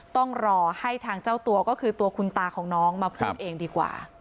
ต้องรอให้ทางเจ้าตัวก็คือตัวคุณตาของน้องมาพูดเองดีกว่า